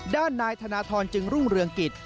ด้านนายธนทรจึงรุ่งเรืองกิจ